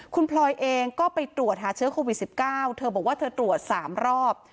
คุณพลอยเองก็ไปตรวจหาเชื้อโควิด๑๙เธอบอกว่าเธอตรวจ๓รอบ